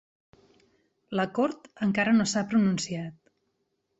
La cort encara no s'ha pronunciat.